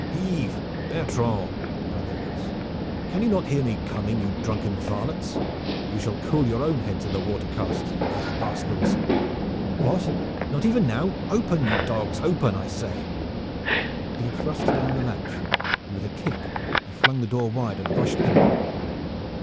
"Ives! Bertrand!" cried the voice. "Can you not hear me coming, you drunken varlets? You shall cool your own heads in the water casks, you lazy rascals! What, not even now! Open, you dogs. Open, I say!" He had thrust down the latch, and with a kick he flung the door wide and rushed inward.